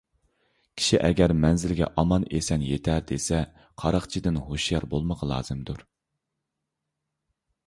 كىشى ئەگەر مەنزىلگە ئامان - ئېسەن يېتەي دېسە قاراقچىدىن ھوشيار بولمىقى لازىمدۇر.